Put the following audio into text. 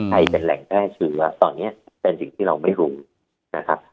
เป็นแหล่งแพร่เชื้อตอนนี้เป็นสิ่งที่เราไม่รู้นะครับ